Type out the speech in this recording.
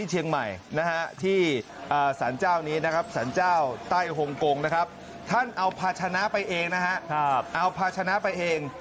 เอาภาชนะไปเองนะครับเอาภาชนะไปเอง